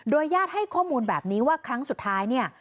ญาติให้ข้อมูลแบบนี้ว่าครั้งสุดท้ายเนี่ย